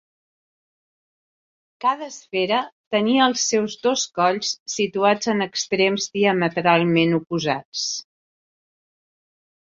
Cada esfera tenia els seus dos colls situats en extrems diametralment oposats.